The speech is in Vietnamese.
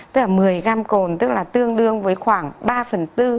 tức là một mươi gram cồn tương đương với khoảng ba phần bốn